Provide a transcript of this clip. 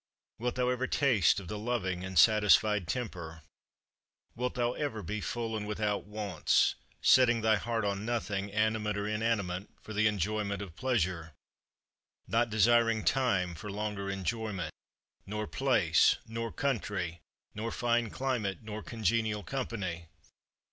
Wilt thou ever taste of the loving and satisfied temper? Wilt thou ever be full and without wants, setting thy heart on nothing, animate or inanimate, for the enjoyment of pleasure; not desiring time for longer enjoyment; nor place, nor country, nor fine climate, nor congenial company?